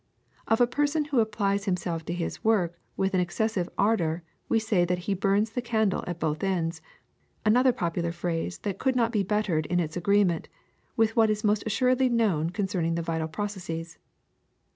Of a person who applies himself to his work with excessive ardor we say that he burns the candle at both ends — another popular phrase that could not be bettered in its agreement with what is most assuredly known concerning the vital processes.